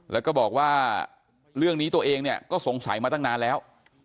แล้วก็บอกว่าเรื่องนี้ตัวเองเนี่ยก็สงสัยมาตั้งนานแล้ว